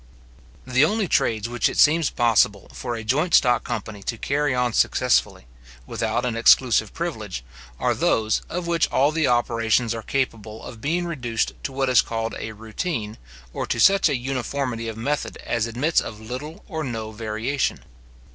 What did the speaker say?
The only trades which it seems possible for a joint stock company to carry on successfully, without an exclusive privilege, are those, of which all the operations are capable of being reduced to what is called a routine, or to such a uniformity of method as admits of little or no variation.